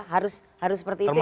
harus seperti itu ya mas ya